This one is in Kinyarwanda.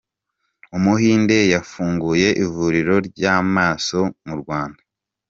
Umuhinde yafunguye ivuriro ry’amaso mu Rwanda